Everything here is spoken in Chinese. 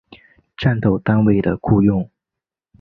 战斗单位的雇用。